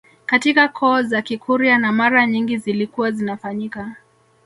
Katika koo za kikurya na mara nyingi zilikuwa zinafanyika